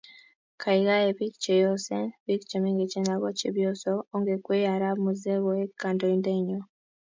Gaigai, biik cheyosen, biik chemengech ago chepyosok, ongekwei arap muzee koek kandoindenyo